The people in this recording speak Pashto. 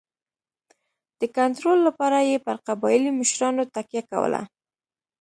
د کنټرول لپاره یې پر قبایلي مشرانو تکیه کوله.